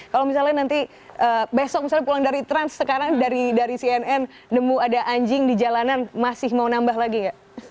kalau misalnya nanti besok misalnya pulang dari trans sekarang dari cnn nemu ada anjing di jalanan masih mau nambah lagi nggak